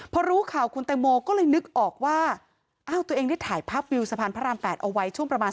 พอรู้ข่าวคุณแตงโมก็เลยนึกออกว่าอ้าวตัวเองได้ถ่ายภาพวิวสะพานพระราม๘เอาไว้ช่วงประมาณ